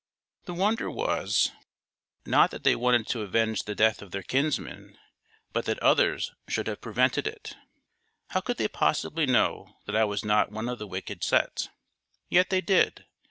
The wonder was, not that they wanted to avenge the death of their kinsman, but that others should have prevented it. How could they possibly know that I was not one of the wicked set? Yet they did....